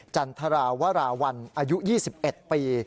จันทราวราวัลอายุ๒๑ปี